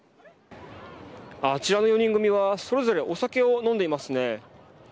あちらの４人組はそれぞれお酒を飲んでいますね。